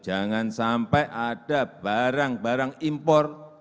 jangan sampai ada barang barang impor